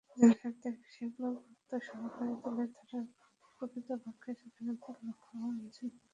জনস্বার্থের বিষয়গুলো গুরুত্ব সহকারে তুলে ধরাই প্রকৃতপক্ষে স্বাধীনতার লক্ষ্য হওয়া বাঞ্ছনীয়।